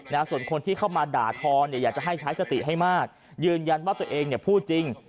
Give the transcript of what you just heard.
ส่วนคนที่เข้ามาด่าทอเนี่ยอยากจะให้ใช้สติให้มากยืนยันว่าตัวเองเนี่ยพูดจริง